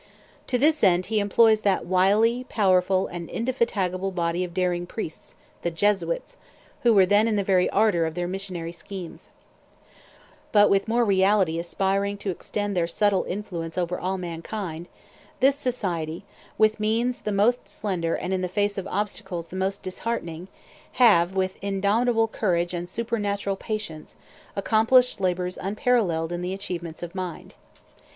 To this end he employs that wily, powerful, and indefatigable body of daring priests, the Jesuits, who were then in the very ardor of their missionary schemes. Ostensibly for the purpose of propagating the Gospel, but with more reality aspiring to extend their subtile influence over all mankind, this society, with means the most slender and in the face of obstacles the most disheartening, have, with indomitable courage and supernatural patience, accomplished labors unparalleled in the achievements of mind.